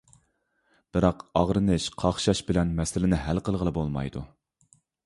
بىراق، ئاغرىنىش، قاقشاش بىلەن مەسىلىنى ھەل قىلغىلى بولمايدۇ.